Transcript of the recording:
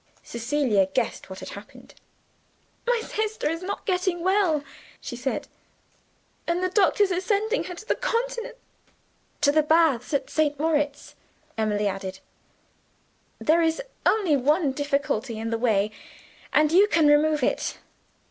Cecilia guessed what had happened. "My sister is not getting well," she said, "and the doctors are sending her to the Continent." "To the baths at St. Moritz," Emily added. "There is only one difficulty in the way; and you can remove it.